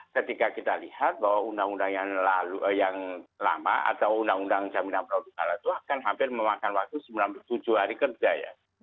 ketika kita lihat bahwa undang undang yang lama atau undang undang jaminan produk halal itu akan hampir memakan waktu sembilan puluh tujuh hari kerja ya